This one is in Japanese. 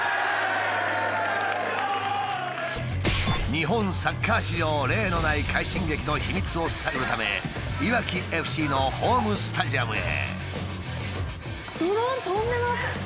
日本サッカー史上例のない快進撃の秘密を探るためいわきＦＣのホームスタジアムへ。